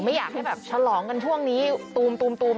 ไม่อยากให้แบบฉลองกันช่วงนี้ตูม